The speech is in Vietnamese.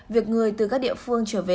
việc người từ các địa phương trở về